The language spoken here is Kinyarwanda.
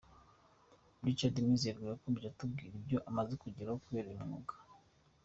Richard Mwizerwa yakomeje atubwira ibyo amaze kugeraho kubera uyu mwuga.